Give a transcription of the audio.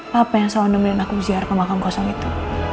papa yang selalu nemenin aku ziar ke makam kosong itu